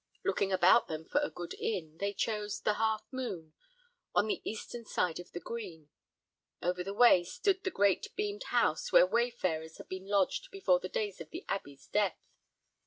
Looking about them for a good inn, they chose "The Half Moon," on the eastern side of the green. Over the way stood the great beamed house where wayfarers had been lodged before the days of the Abbey's death.